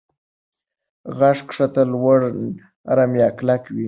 غږ کښته، لوړ، نرم یا کلک وي.